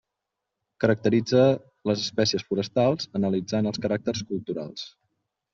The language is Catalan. Caracteritza les espècies forestals analitzant els caràcters culturals.